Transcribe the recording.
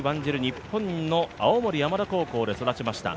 日本の青森山田高校で育ちました